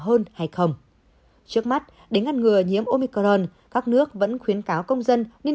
hơn hay không trước mắt đến ngăn ngừa nhiễm omicron các nước vẫn khuyến cáo công dân nên